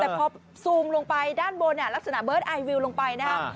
แต่พอซูมลงไปด้านบนลักษณะเบิร์ตไอวิวลงไปนะครับ